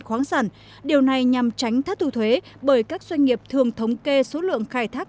khoáng sản điều này nhằm tránh thất thu thuế bởi các doanh nghiệp thường thống kê số lượng khai thác